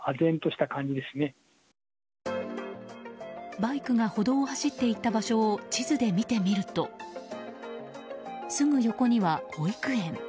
バイクが歩道を走っていった場所を地図で見てみるとすぐ横には保育園。